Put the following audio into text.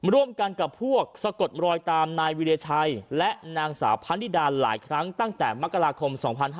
ร่วมกันกับพวกสะกดรอยตามนายวิรชัยและนางสาวพันนิดาหลายครั้งตั้งแต่มกราคม๒๕๕๙